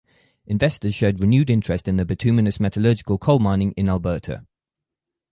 Investors showed renewed interest in the bituminous metallurgical coal mining in Alberta.